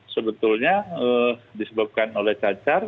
sebetulnya disebabkan oleh cacar